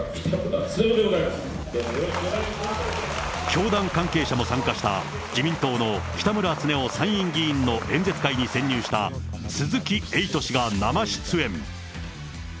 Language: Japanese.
教団関係者も参加した、自民党の北村経夫参院議員の演説会に潜入した鈴木エイト氏が生出演。